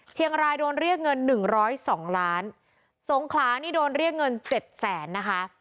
เชียงรายโดนเรียกเงิน๑๐๒ล้านสงขลานี่โดนเรียกเงิน๗๐๐ล้านนะคะ